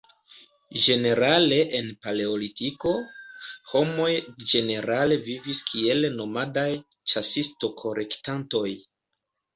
Ĝenerale en Paleolitiko, homoj ĝenerale vivis kiel nomadaj ĉasisto-kolektantoj.